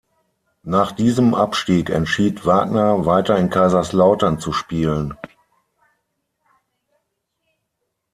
Nach diesem Abstieg entschied Wagner, weiter in Kaiserslautern zu spielen.